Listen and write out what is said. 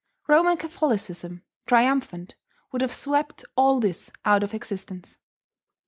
Roman Catholicism, triumphant, would have swept all this out of existence.